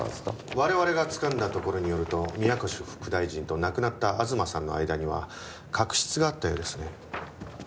我々がつかんだところによると宮越副大臣と亡くなった東さんの間には確執があったようですね。